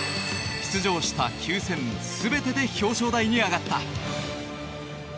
出場した９戦全てで表彰台に上がった。